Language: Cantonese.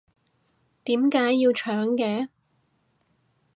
點解要搶嘅？